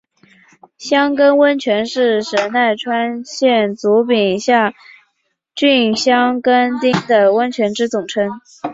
箱根温泉是神奈川县足柄下郡箱根町的温泉之总称。